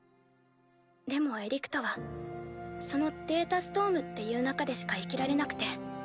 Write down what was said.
でもエリクトはそのデータストームっていう中でしか生きられなくて。